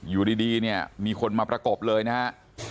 อยู่ดีมีคนมาประกบเลยนะครับ